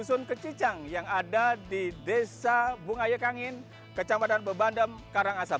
dusun kecicang yang ada di desa bungaya kangin kecamatan bebandem karangasem